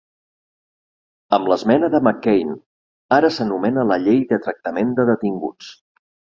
Amb l'esmena de McCain, ara s'anomena la llei de tractament de detinguts.